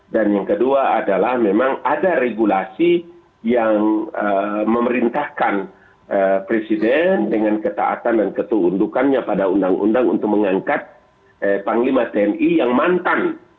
dan yang kedua adalah memang ada regulasi yang memerintahkan presiden dengan ketaatan dan ketundukannya pada undang undang untuk mengangkat panglima tni yang mantan